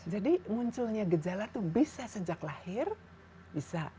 jadi munculnya gejala itu bisa sejak lahir bisa